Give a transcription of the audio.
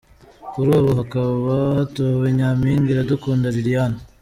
Kuri ubu hakaba hatowe : Nyampinga Iradukunda Liliane.